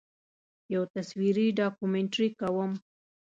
یو تصویري ډاکومنټري ګورم.